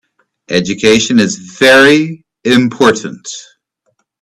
Education is very important.